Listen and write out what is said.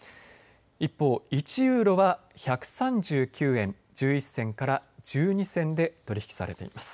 一方、１ユーロは１３９円１１銭から１２銭で取り引きされています。